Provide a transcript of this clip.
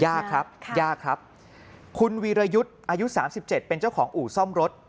ยากครับยากครับคุณวีรยุทธ์อายุ๓๗เป็นเจ้าของอู่ซ่อมรถ